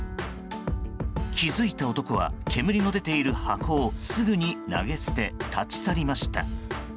気づいた男は煙の出ている箱をすぐに投げ捨て立ち去りました。